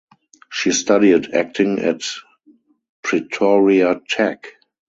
She studied acting at Pretoria Tech.